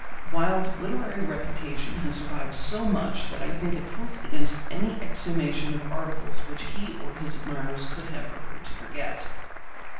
Wilde's literary reputation has survived so much that I think it proof against any exhumation of articles which he or his admirers would have preferred to forget.